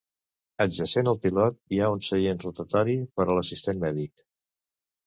Adjacent al pilot hi ha un seient rotatori per a l'assistent mèdic.